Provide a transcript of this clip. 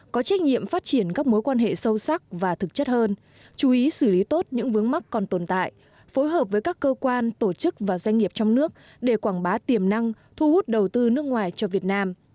có trách nhiệm phát triển các mối quan hệ sâu sắc và thực chất hơn chú ý xử lý tốt những vướng mắc còn tồn tại phối hợp với các cơ quan tổ chức và doanh nghiệp trong nước để quảng bá tiềm năng thu hút đầu tư nước ngoài cho việt nam